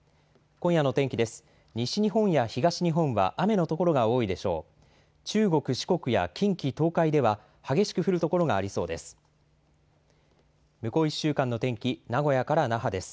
今夜の天気です。